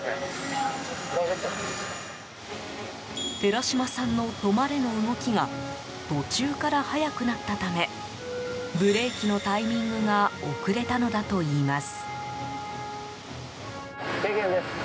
寺島さんの止まれの動きが途中から速くなったためブレーキのタイミングが遅れたのだといいます。